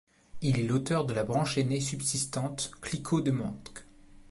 Il est l'auteur de la branche ainée subsistante Clicquot de Mentque.